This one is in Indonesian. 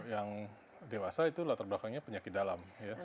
yang dewasa itu latar belakangnya penyakit dalam